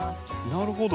なるほど。